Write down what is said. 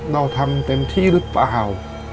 เราทำเต็มที่หรือเปล่า